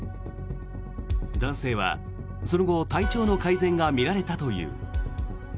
男性はその後体調の改善が見られたという。